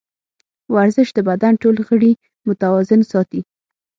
ورزش د بدن ټول غړي متوازن ساتي.